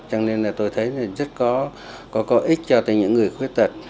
cho nên là tôi thấy là rất có có có ích cho từ những người khuyết tật